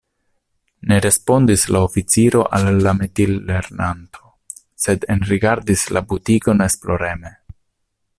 Ne respondis la oficiro al la metilernanto, sed enrigardis la butikon esploreme.